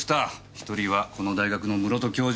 １人はこの大学の室戸教授